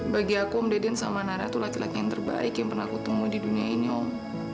bagi aku om deden sama nara tuh laki laki yang terbaik yang pernah ku temu di dunia ini om